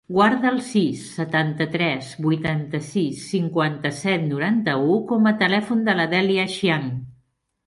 Guarda el sis, setanta-tres, vuitanta-sis, cinquanta-set, noranta-u com a telèfon de la Dèlia Xiang.